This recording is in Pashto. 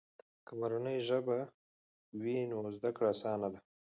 که مورنۍ ژبه وي، نو زده کړه آسانه ده.